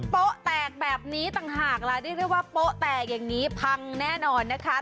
โต๊ะแตกแบบนี้ต่างหากล่ะเรียกได้ว่าโป๊ะแตกอย่างนี้พังแน่นอนนะคะ